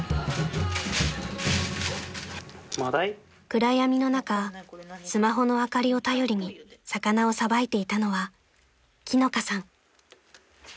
［暗闇の中スマホの明かりを頼りに魚をさばいていたのは樹乃香さん］